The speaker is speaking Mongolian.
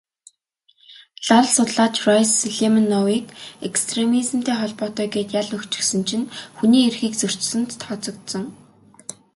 Лал судлаач Райс Сулеймановыг экстремизмтэй холбоотой гээд ял өгчихсөн чинь хүний эрхийг зөрчсөнд тооцогдсон.